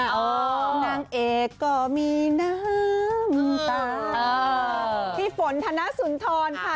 โอ้นางเอกก็มีน้ํ้ตันเออพี่ฝนธนสุนทรค่ะ